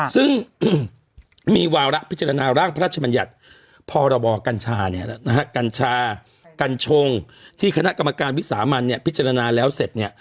ซึ่งมีวาระพิจารณาร่างพระราชบัญญัติพรบกัญชาเนี่ยนะฮะกัญชากัญชงที่คณะกรรมการวิสามันเนี่ยพิจารณาแล้วเสร็จเนี่ย